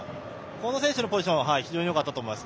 この選手のポジションは非常によかったと思います。